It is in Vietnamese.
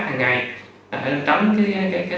hằng ngày tránh cái